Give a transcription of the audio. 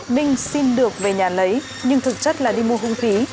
minh xin được về nhà lấy nhưng thực chất là đi mua hung khí